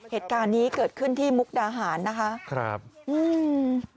เหตุการณ์นี้เกิดขึ้นที่มุกดาหารนะคะครับอืม